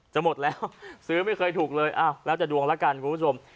หมดแล้วซื้อไม่เคยถูกเลยอ้าวแล้วแต่ดวงแล้วกันคุณผู้ชม